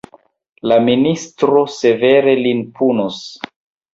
La ministro severe lin punos.